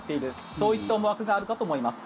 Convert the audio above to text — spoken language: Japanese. そういった思惑があるかと思います。